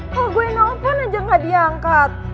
kalo gue nelfon aja nggak diangkat